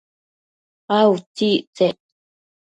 a utsictsec?